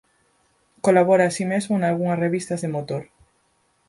Colabora así mesmo nalgunhas revistas de motor.